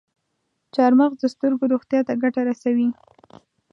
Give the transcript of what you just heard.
چارمغز د سترګو روغتیا ته ګټه رسوي.